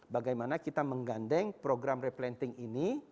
bagaimana kita menggandeng program replanting ini